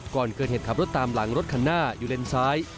ก่อนเกิดเหตุขับรถตามหลังรถคันหน้าอยู่เลนซ้าย